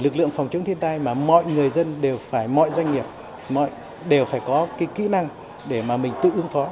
lực lượng phòng chống thiên tai mà mọi người dân đều phải mọi doanh nghiệp đều phải có cái kỹ năng để mà mình tự ứng phó